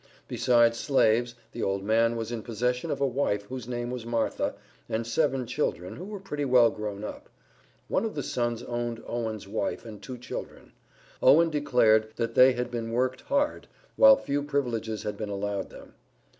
Besides slaves, the old man was in possession of a wife, whose name was Martha, and seven children, who were pretty well grown up. One of the sons owned Owen's wife and two children. Owen declared, that they had been worked hard, while few privileges had been allowed them.